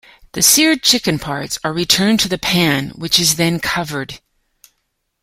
The seared chicken parts are returned to the pan which is then covered.